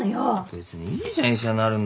別にいいじゃん医者になるんだったら。